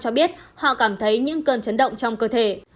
ba mươi cho biết họ cảm thấy những cơn chấn động trong cơ thể